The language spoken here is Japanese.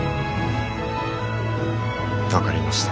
分かりました。